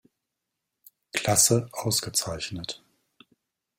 Klasse" ausgezeichnet.